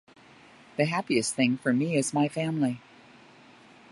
The happiest thing for me is my family.